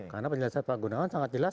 karena penjelasan pak gunawan sangat jelas